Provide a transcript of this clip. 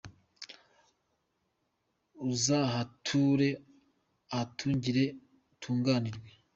Uzahature uhatungire utunganirwe.